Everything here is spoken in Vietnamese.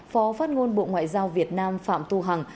phó phát ngôn bộ ngoại giao việt nam phạm thu hằng